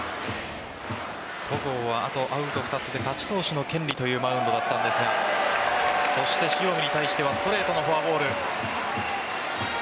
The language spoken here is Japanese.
戸郷はあとアウト２つで勝ち投手の権利というマウンドだったんですが塩見に対してはストレートのフォアボール。